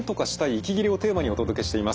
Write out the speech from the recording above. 息切れ」をテーマにお届けしています。